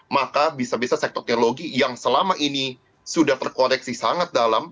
maka bisa bisa sektor teologi yang selama ini sudah terkoreksi sangat dalam